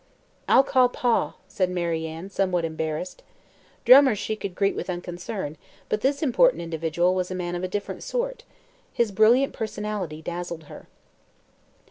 "I'll call Pa," said Mary Ann, somewhat embarrassed. Drummers she could greet with unconcern, but this important individual was a man of a different sort. His brilliant personality dazzled her.